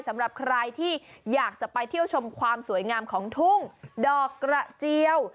สำหรับใครที่อยากจะไปเที่ยวชมความสวยงามของทุ่งดอกกระเจียว